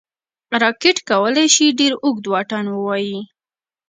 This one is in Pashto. راکټ کولی شي ډېر اوږد واټن ووايي